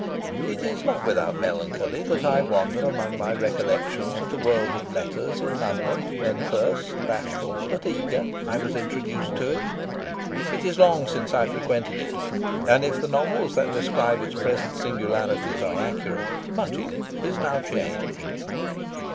It is not without melancholy that I wander among my recollections of the world of letters in London when first, bashful but eager, I was introduced to it. It is long since I frequented it, and if the novels that describe its present singularities are accurate much in it is now changed.